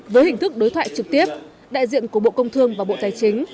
với hình thức đối thoại trực tiếp đại diện của bộ công thương và bộ tài chính